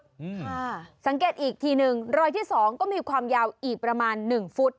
ค่ะสังเกตอีกทีหนึ่งรอยที่๒ก็มีความยาวอีกประมาณ๑ฟุต